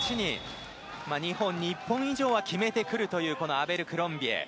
２本に１本以上は決めてくるというアベルクロンビエ。